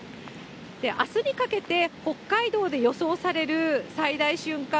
あすにかけて、北海道で予想される最大瞬間